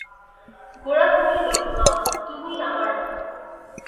গোরা কহিল, মা, তুমিই আমার মা।